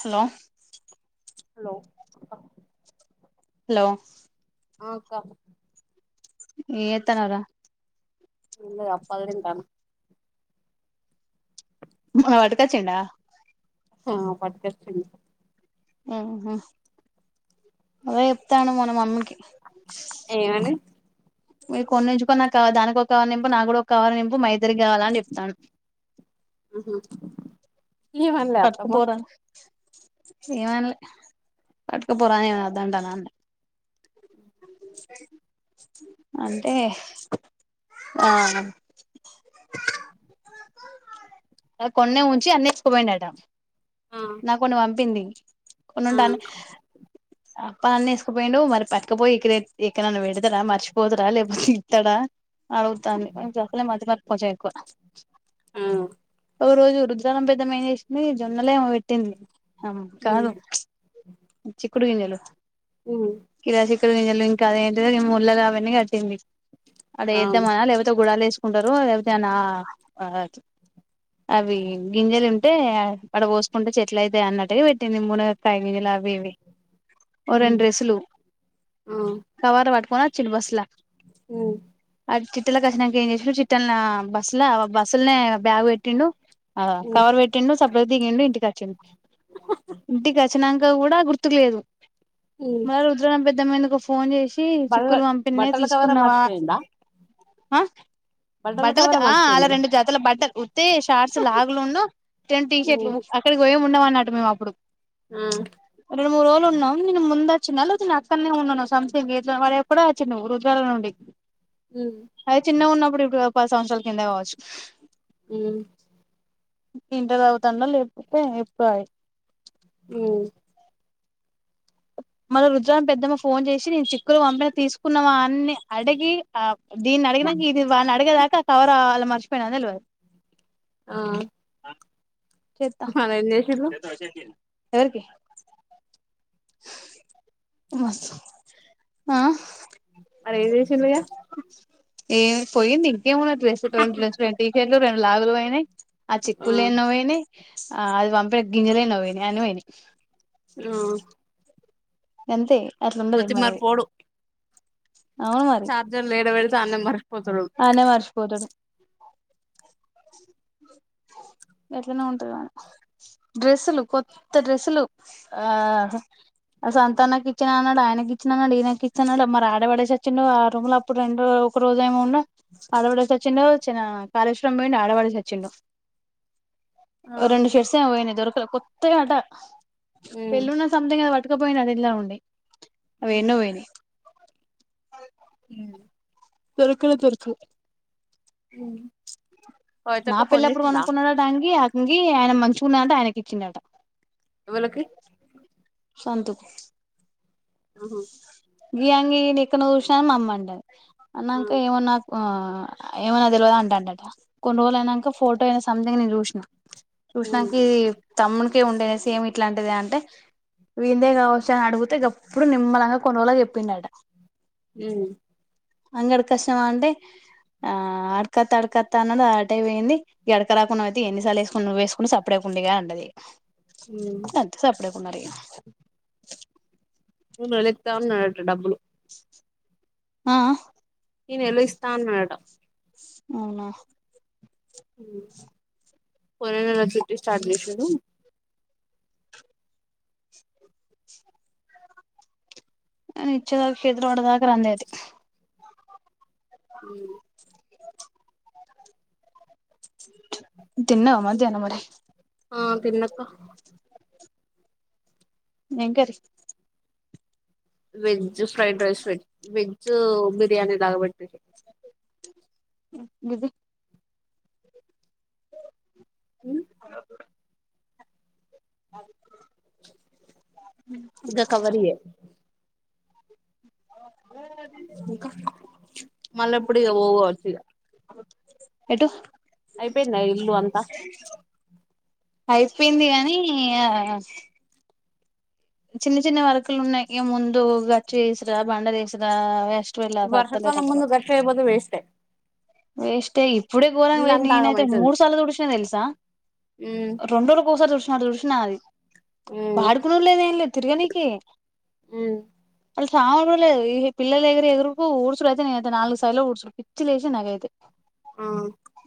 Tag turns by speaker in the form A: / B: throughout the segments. A: Hello
B: hello
A: hello
B: ఆ అక్క
A: ఏం చేత్తన్నావ్ రా
B: ఏం లేదు అప్పలు తింటన్న
A: మొన్న వాట్ కచిండ
B: ఆ పట్టుకొచ్చిండు
A: ఆహ అదే చెప్తండు మొన్న మమ్మికి
B: ఏమని
A: మీరు కొన్ని ఉంచుకొనక దానికి ఒక కవరు నింపు నాకు కూడా ఒక కవర్ నింపు మా ఇద్దరికీ కావాలని చెప్తాన్
B: ఉహు
A: పట్టుకపోరా అఏమన్లే పట్టుకపోరా నేను వద్దంటన అంది అంటే ఆ ఆ కొన్ని ఉంచి అన్ని ఎత్తుక పోయిండు అంట
B: ఆ
A: నా కొన్ని పంపింది కొన్ని
B: ఆ
A: ఉంటే అన్ని అప్ప అన్ని ఏసుకుపోయిండు మరి పట్టుకపోయి ఇక్కడే ఎక్కడన్నా పెడతాడా మర్చిపోతాడా లేకపోతే ఇస్తాడా అడుగుతాంది నేను చెప్పలే మతిమరుపు కొంచెం ఎక్కువ
B: ఉ
A: ఒ రోజు రుద్రానం పెద్దమ్మ ఏం చేసింది జొన్నలేమో పెట్టింది అ
B: ఉమ్
A: కాదు చిక్కుడు గింజలు
B: ఉ
A: కిల చిక్కుడు గింజలు ఇంకా అదేంటిదో నిముళ్ళ అవన్నీ కట్టింది అడ
B: ఆ
A: ఏద్దామనా లేకపోతే గుడలు వేసుకుంటారు లేకపోతే అనా ఓట్ అవి గింజలు ఉంటే అడ పోస్ కుంటే చెట్ల అయితాయి అన్నట్టు గా పెట్టింది మునక్కాయ్ గింజల వేవీ ఓ రెండు
B: ఉమ్
A: డ్రెస్సులు
B: ఆ
A: కవర్ పట్టుకొని వచ్చిల్లు బస్సుల
B: ఉ
A: అ చిట్టల కసినక ఏం చేసడు చిట్టల బస్సులో బస్సులనే బ్యాగు్ పెట్టిండు ఆగ
B: ఉమ్
A: కవర్ పెట్టిండు సప్పుడు ఎక్క దిగిండు ఇంటి కచ్చిండు ఇంటికి వచ్చినాక కూడా గుర్తు లేదు
B: ఉమ్
A: మల్ ట్రామ్ పెద్దమ్మ ఎందుకో ఫోన్ చేసి
B: బల్ల
A: చిక్కులు పంపిణే
B: బట్టల కవరే
A: తీసుకున్నావా
B: మర్చిపోయిండా
A: ఆ
B: బట్టల
A: బట్టలకి
B: కవరే
A: ఆ అలా
B: మర్చిపోయిండా
A: రెండు జాతల బట్ట ఉత్తయ్యే షార్ట్స్ లాగులు ఉన్ను టెం టీ షర్ట్లు
B: ఉమ్
A: అక్కడికి పోయే ఉండము అన్నట్టు మేము అప్పుడు
B: ఉ
A: రెండు మూడు రోజులు ఉన్నాం నేను ముందు వచ్చినా లేకపోతే నా అక్కడనే ఉన్నాను సంథింగ్ ఎట్లా మరి ఎప్పుడో వచ్చినవ్ రుద్రల్ నుండి
B: ఉ
A: అది చిన్నగా ఉన్నప్పుడు ఇప్పుడు పది సంవత్సరాల కిందే కావచ్చు
B: ఉ
A: ఇంట తగు తండల్ చెప్తే ఎప్పుడు ఆయే
B: ఉ
A: మల్ల రుద్రాం పెద్దమ్మ ఫోన్ చేసి నేను చిక్కులు పంపిన తీస్ కున్నవా అన్ని అడిగి ఆ దీన్ని అడిగినాక ఇది వాని అడిగేదాకా కవరా వాళ మర్చి పోయిన తెలవదు
B: ఆ
A: చెత్త
B: మరేం చేసిల్లు
A: చేస్తావా షేర్కిన్ ఎవరికి మాసు ఆ
B: అది వేసేసిందిగా
A: ఏ అది పోయింది ఇంకేమున్నా డ్రెస్సు రెండు డ్రెస్ రెండు టీ షర్ట్లు రెండు లాగులు పోయినాయి ఆ చిక్కుల్లో ఎన్నో పోయినాయి ఆ అది పంపిన గిన్నెలు ఎన్నో పోయినాయి అన్ని పోయినాయి
B: ఆ
A: అంతే అట్లాండది
B: మతి
A: మనది
B: మరపోడు
A: అవును మరి
B: [unintelligible]
A: ఆయనే మర్చిపోతాడు ఎట్లనో ఉంటది [unintelligible] డ్రెస్సులు కొత్త డ్రెస్సులు ఆ [unintelligible] అన్నాడు ఆయన కిచన్ అన్నాడు ఈయనకిచ్చన్ అన్నాడు మ మా ఆడ పడే ఒచ్చిండో ఆ రూమ్ ల ఇప్పుడు రెండు ఒక రోజు ఏమో ఉన్న ఆడ పడేసి ఒచ్చిండో [unintelligible]
B: ఆ
A: రెండు షర్ట్స్ ఏమో పోయినయి దొరకల
B: ఉమ్
A: [unintelligible] పటుకపోయిన అది ఇలా ఉండి అవి
B: ఉమ్
A: ఎన్నో పోయి [unintelligible]
B: ఇ
A: దొరకనే దొరకవ్
B: ఉ
A: నా పిల్లప్పుడు [unintelligible] అంగి ఆంగి ఆయన మంచుకున్నాంట ఆయనకి ఇచ్చిండట
B: ఎవలకి
A: సంతు
B: ఆహ
A: గి అంగి ఎక్కనో చూస అని మా అమ్మ అంటది
B: ఆ
A: అన్నంక ఏమో నా ఆ ఏమన తెలవద అంట [unintelligible] కొన్ని రోజులు అయినాక ఫోటో అయినా సంథింగ్ నేను చూసిన చూసినాక
B: ఉమ్
A: తమ్మునికే ఉండే నే సేమ్ ఇట్లాంటిదే అంటే [unintelligible] చ ఆడుగుతే గప్ ఇప్పుడు నిమ్మలంగ కొన్ని రోజలకు చెప్పిండట
B: ఉ
A: అంగడి కోస్తవ అంటే ఆ ఆడకత్త ఆడకత్త అన్నడు ఆటైపోయింది [unintelligible] రాకుండ అయితే ఎన్నిసార్లు వేసుకుని [unintelligible] సప్పడేకు ఉండగ అంటది
B: ఉ
A: సప్డేకునారి
B: మొన్నాడు ఇత్త అన్నడట డబ్బులు
A: ఆ
B: ఈ నెల్లో ఇస్తా అన్నడట
A: అవున
B: [unintelligible] స్టార్ట్ చేసిండు
A: [unintelligible]
B: ఉ
A: తిన్నవ మధ్యనం మరి
B: ఆ తిన్న అక్క
A: ఎం కారి
B: veg fried rice veg biryani [unintelligible]
A: BC
B: హు
A: అ హు
B: [unintelligible] కవరియే
A: [unintelligible]
B: ఇంక
A: ఎటు
B: అయిపోయింద ఇల్లు అంత
A: అయిపోయింది గానీ ఇగ చిన్న చిన్న వర్కులు ఉన్నాయి ఇగముందు గచ్చి వేసురా బండ వేసురా ఎ వెళ్ళవా
B: వర్షాకాలం
A: వత్తలేదంటారు
B: ముందు గట్ల అయిపోతే వేస్టే
A: వేస్టే ఇప్పుడే గొరంగా పోయి
B: ఇల్లంతా ఆగం
A: నేనైతే
B: అయితది
A: మూడు సార్లు తుడిసినా తెలుసా
B: ఉమ్
A: రెండోళ్ళకొసరి తుడుస్నట్టు తుడుస్నా అది
B: ఉమ్
A: వాడుకునేళ్లేనే ఇగ తిర్గనికె
B: ఉమ్
A: కాదులే పిల్ల దగ్గర ఎదురుకు ఊర్చడు అయితే ననైతే నాలుగు సార్లు ఊడ్చడు పిచ్చి లేేసిది నాకైతే
B: ఆ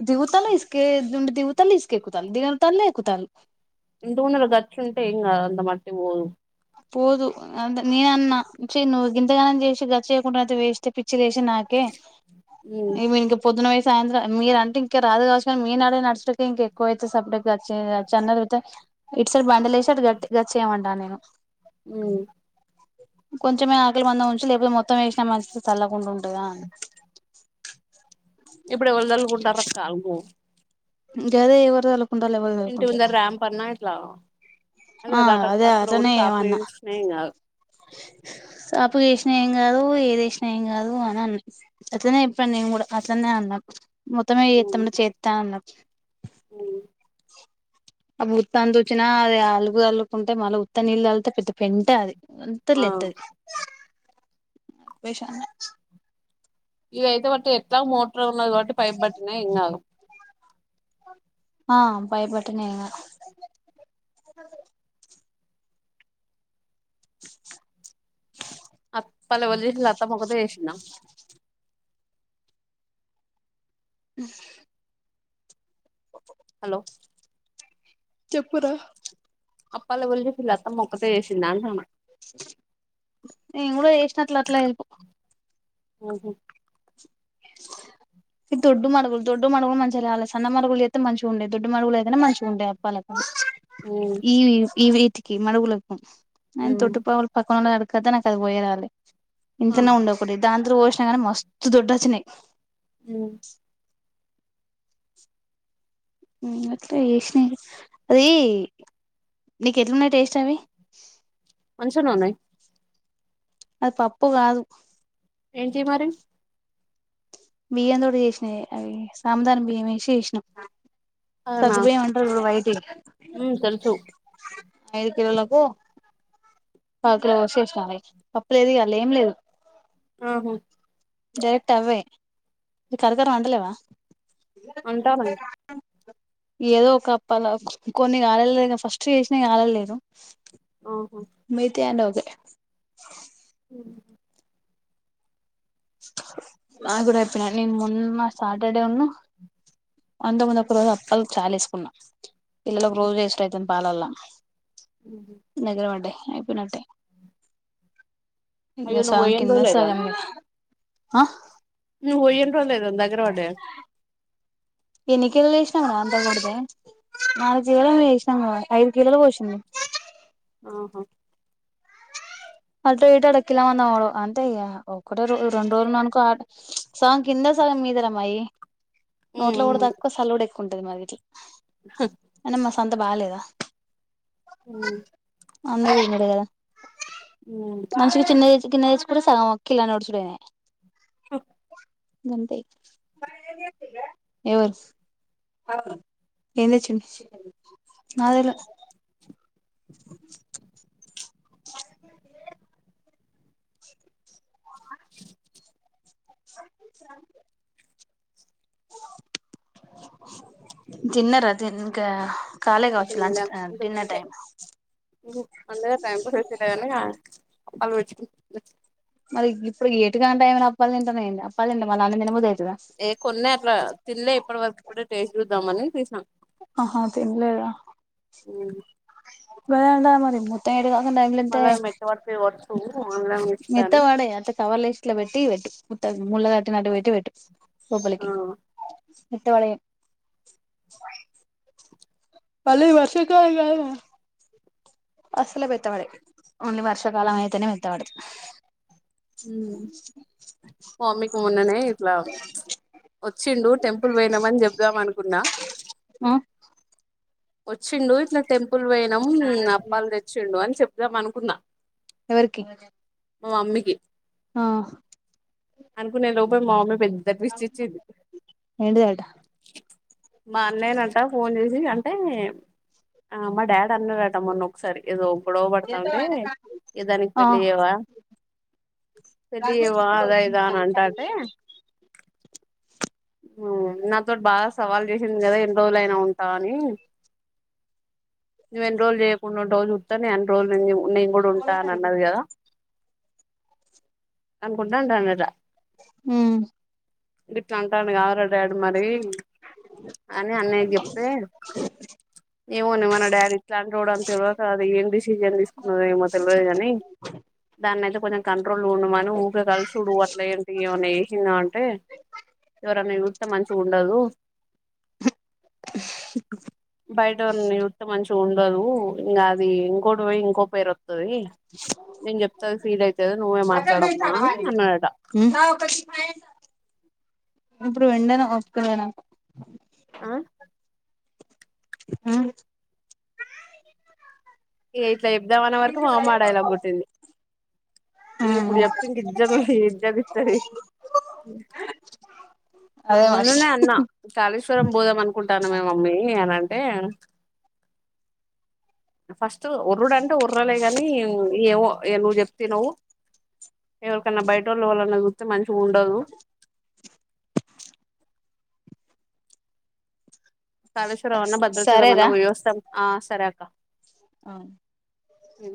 A: దవుతల ఇస్కే ద దవుతల ఇసుకే ఎకుతాల దవతల ఎకుతలు
B: ఇంటిముదలా గర్చ్చుంటే ఇం కాదు అంత మట్టి పోదు
A: పోదు అే నేనన్నా చి నువ్వు గంతగానం చేసి గచ్చ చేయకుండా అయితే వేస్తే పి పిచ్చిలేసి నాకే
B: ఉమ్
A: ఏమైందో పొద్దున ఓయి సాయంత్రం మీరు అంటే ఇంకా రాదు కావచ్చు కానీ మీనాడే నడిచినకే ఇంక ఎక్కువ అైతే సపరేట్గా అన్నగియితే ఇటు సైడ్ బండ్లేషి అంటూ గచ్చేమాంటాను నేను
B: ఉ
A: కొంచెమే ఆకలి మందం ఉంచు లేకపోతే మొత్తం వేసినా మంచిది తల్కుండా ఉంటదా అని
B: ఇప్పుడు ఎవళ్ళదల్లుకుంటారు కాలు
A: గదే ఎవరిదాళ్ళు
B: ఇంటి ముందరా ర్యాంప్ అన్నా ఇట్లా
A: ఆ
B: అ అక్కడ కూడా చప వస్తున్నాయి ఇంకాదు
A: అప్పు చేస్నా ఏం కాదు ఏది వసినా ఏం కాదు అని అన్నంది అట్లనే చెప్పను నేను కూడా అట్లనే అన్నా మొత్తంమే ఎతన్ చేస్తాన్న్నారు అ ముత్త అంత వచ్చినా అది అలుగు అలుకుంటే మళ్ళీ ఉత్త నీళ్ళు అళ్తే పెద్ద పెంట అది
B: ఆ
A: అంతలే ఎంతది వేషాన్
B: ఇవి అయితే బట్టి ఎట్లా మోటర్ ఉన్న కాబట్టి పైప్ బట్టినా ఇం కాదు
A: ఆ పైప్ పెట్టినాంకాదు సరె
B: అత్తల్ ఎవల్ చేట్లే అత్తమా ఒక్కతే చేసిందా
A: అ
B: హలో
A: చెప్పురా
B: అప్పల వెళ్లి విలత్తమ్మ ఒక్కతే చేసిందా అంటన్న
A: నేన్ కూడా ఏష్టణట్ల అట్లా ఇపో
B: ఆహు
A: ఇ దొడ్డు మడుగులు దొడ్డు మడుగులు మంచిగాాలే సన్న మడుగులు అయితే మంచి ఉండే దొడ్డులు అయితేనే మంచిగాండే పాల
B: ఉమ్
A: ఈ ఈ వీటికి మడుగులకి నేను
B: ఉమ్
A: తొట్టుపవులు పక్కన అడుకదా నాకు అది పోయే రాలి ఇంతనే
B: ఆహా
A: ఉండ డి దానింత పోసినాగానీ మస్తు దడ్ వచ్చినాయి
B: ఉ
A: అట్లా చేస్నవి అది నీకు ఎట్లున్నాయి టేస్ట్ అవి
B: మంచినన్నాయి
A: అది తప్పు కాదు
B: ఏంటి మరి
A: బియ్యం తోటి చేసినయే అవి సాముదాన బియ్యం వేసి చేసినం
B: అవునా
A: సగ్గుబియ్యం అంటారు చూడు వైటియి
B: ఉమ్ తెలుసు
A: ఐదు కిలోలకు కాకులో పోసి చేసిన రైస్ పప్పులేదు ఇగ ఆళ్ళ ఏం లేదు
B: ఆహు
A: డైరెక్ట్ అవ్వే కరకరం అంటలేవా
B: అంటానాయ్
A: అ ఏదో ఒక అప్పాల కొన్ని రాలలే ఫస్ట్ చేసినా ఆలలేదు
B: ఆహా
A: మితై అన్ని ఒకే
B: ఉ
A: ఆ గుడ చెప్పిన నిన్ మొన్న సాటర్డే ఉన్న అంతకముందు ఒక రోజు అప్పాలు చాలేసుకున్నా పిల్లలకు రోజు వేస్ట్ అయితుంది పాలల్ల
B: ఉహు
A: నిద్దర పడ్డయ్ అయిపోనిన్టాయ్ ఇంగ
B: అయ్యో నువ్వు
A: సగం
B: పోయిన
A: కింద
B: రోజులే కదా
A: సగం
B: నువ్ పోయిండ్రో లేదో దగ్గర పడ్డయ
A: నాలుగు కిలోలేమో వేసినాం ఐదు కిలోలు పోషింది
B: ఆహా
A: అటో ఇటో అడక్కిలన్న పడవ్ అంటే ఇగ ఒక్కటో రొ రెండు రోజులు ఉన్న అనుకో సాంగ్ కింద సగం మీదర మాయి నోట్ల పోవుడు
B: ఉమ్
A: తక్కువ సల్లుడు ఎక్కువ ఉంటుది మాది ఇట్ల
B: స
A: అయిన మా సంత బాలేదా
B: ఊ
A: అంద తినుడే కదా
B: ఊ
A: మంచిగ చిన్న చికెన్ తెచ్చుకుంటే సగం కిలో నడుసుడు అయినయ్
B: ఓ
A: ఎవరు ఎం తెచ్చిండు నాక్ తెల్వ స తిన్నరా తిన్ ఇంకా కాళే కావచ్చు లంచ్ డిన్నర్ టైం
B: అందుగా టైంపాస్ అయితుండే
A: మరి గిప్పుడు ఏటుగాని టైమ్లో అప్పాలు తింటున్నావు ఏంది అప్పాల్ తింటే మల అన్నమ్ తినబుద్ధి అయితదా
B: ఏ కొన్నే అట్లా తిన్లే ఇప్పటి వరకు ఇప్పుడే టేస్ట్ చూద్దాంమని తీసిన
A: ఆహా తినలేద వెడా మరి
B: మళ్ళా మెత్తబడతాయి కావచ్చు ఆన్లైన్ చూస్తా అని
A: మెత్తపడి అట్లే కవర్ల వేస్ ఇట్ల పెట్టి పెట్టు ముళ్ళ కట్టినట్టు పెట్టి పెట్టు
B: ఆ
A: లోపలికి మెత్త పడవ్ మళ్ళీ వర్షాకాలం రాదా అసలు మెత్తబడవ్ ఓన్లీ వర్షాకాలం అయితేనే మెత్తబడతయ్
B: మామ్మికి మొన్ననే ఇట్లా వచ్చిండు టెంపుల్ పోయినమని చెబ్దాం అనుకున్నా
A: హ.
B: వచ్చిండు ఇట్లా టెంపుల్ పోయినమ్ అప్పాలు తె చ్చిండు అని చెప్దాం అనుకున్నా
A: ఎవరికి
B: మా మమ్మీకి
A: ఆ
B: అనుకునే లోపు మా మమ్మీ పెద్ద ట్విస్ట్ ఇచ్చింది
A: ఏంటిదట
B: మా అన్నయ్యనట ఫోన్ చేసి అంటే ఆ మా డాడీ అన్నడట మొన్న సారి ఏదో గొడవ పడతాఉంటే ఏ దానికి
A: ఆ
B: పెళ్లి చేయవా సలి వా అదా ఇదా అని అంటాటే నాతోటి బాగా సవాల్ చేసింది కదా ఎన్ని రోజులయినా ఉంట కానీ నువు ఎన్రోజుల్ చేయకుండా ఉంటవో నేన్ చూత నేన్ అన్ని రోజుల్ నేను కూడా ఉంటా అని అన్నది కదా అనుకుంటా అంటండాండట
A: హ్మ్
B: గిట్లా అంటాండుగా డాడి మరి అని అన్నయ్యకు చెప్తే నీవు నిమన్న డాడీ ఇలాంటి టోడు అని తెలువక అది ఏం డిసిజన్ తీసుకున్నదో ఏమో తెలియదు కాని దాన్నియితే కొంచెం కంట్రోల్ ఉండ మని ఊకే కలుసుడు అట్ల ఏంటి ఏమైన్నా చేసిందా అంటే ఎవరైనా చూస్తే మంచిగుండదు బయటోనీ చూస్తే మంచి గుండదు ఇంకా అది ఇంకోటి పోయి ఇంకో పేరు వస్ వయి నేను చెప్తాది ఫీల్ అయితది నువ్వే మాట్లాడమ్మా అని అన్నాడటా
A: ఇం ఒక ఇప్పుడు వెంను ఒస్తులేనా
B: ఆ
A: ఆ
B: ఇట్లా చెబ్దామనే వరకు మ అమ్మ ఈ డైలాగ్ కొట్టింది ఇది ఇప్పుడు చెప్తే ఇజ్జత్ ఇజ్జదిిస్తది
A: అదే మరి
B: మొన్ననే అన్నా కాలెశ్వరం బోదం అనుకుంటాను మమ్మీ అని అంటే ఫస్ట్ ఉర్రుడు అంటే ఉర్రలే గాని ఏవో నువ్వు చెప్త వినవు ఎవరికైన్నా బయట వాళ్ళు ఎవరన్నా చూస్తే మంచిగ ఉండదు కాళేశ్వరం అన్నా భద్రచలం అన్న
A: సరేరా
B: పోయోస్తాం ఆ సరే అక్క
A: అవును
B: అ